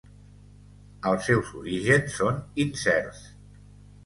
Els seus orígens són incerts.